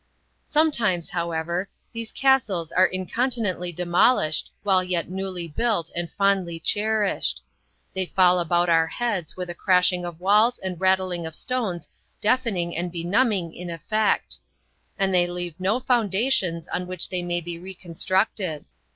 Sometimes, however, these castles are incontinently demolished while yet newly built and fondly cherished; they fall about our heads with a crashing of walls and rattling of stones deafening and benumbing in effect; and they leave no foundations on which they may be re 12 178 THE WIFE OF constructed.